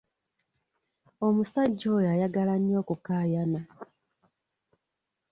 Omusajja oyo ayagala nnyo okukaayana.